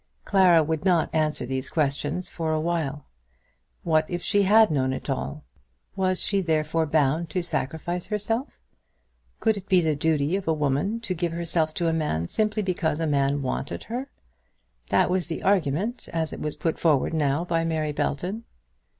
Clara would not answer these questions for a while. What if she had known it all, was she therefore bound to sacrifice herself? Could it be the duty of any woman to give herself to a man simply because a man wanted her? That was the argument as it was put forward now by Mary Belton.